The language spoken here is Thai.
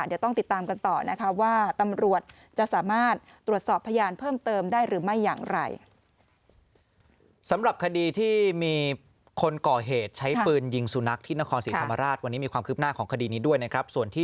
เดี๋ยวต้องติดตามกันต่อนะคะว่าตำรวจจะสามารถตรวจสอบพยานเพิ่มเติมได้หรือไม่อย่างไร